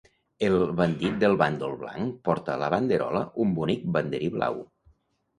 El bandit del bàndol blanc porta a la banderola un bonic banderí blau.